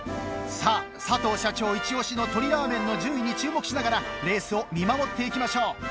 さあ佐藤社長イチオシの鶏らー麺の順位に注目しながらレースを見守っていきましょう。